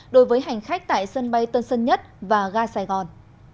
đối với hành khách tại sân bay tân sân nhất và ga sài gòn